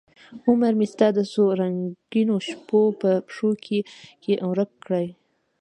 عمرمې ستا د څورنګینوشپو په پښوکې ورک کړ